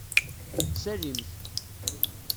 Salim-t.